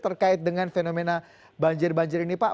terkait dengan fenomena banjir banjir ini pak